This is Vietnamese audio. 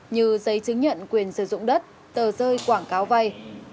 như giấy chứng nhận quyền sử dụng đất tờ rơi quảng cáo vay